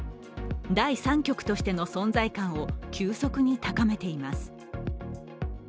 第三極としての存在感を急速に高めています。